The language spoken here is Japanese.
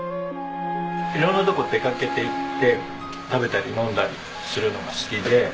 色んなとこ出かけていって食べたり飲んだりするのが好きで。